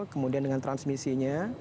kemudian dengan transmisinya